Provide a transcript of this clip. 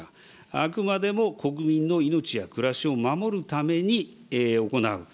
あくまでも国民の命や暮らしを守るために行う。